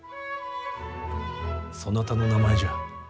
そなたの名前じゃ。